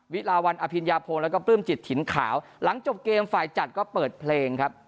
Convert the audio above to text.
ลาวันอภิญญาพงศ์แล้วก็ปลื้มจิตถิ่นขาวหลังจบเกมฝ่ายจัดก็เปิดเพลงครับ